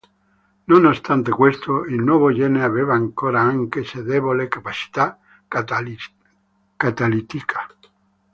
Nonostante questo, il nuovo gene aveva ancora, anche se debole, capacità catalitica.